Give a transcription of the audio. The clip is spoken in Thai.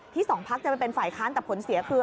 สองพักจะไปเป็นฝ่ายค้านแต่ผลเสียคือ